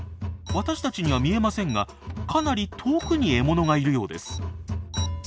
私たちには見えませんがかなり遠くに獲物がいるようです。